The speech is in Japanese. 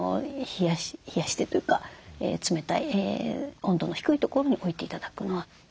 冷やしてというか冷たい温度の低い所に置いて頂くのはいいことですので。